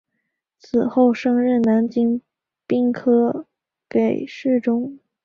此后升任南京兵科给事中。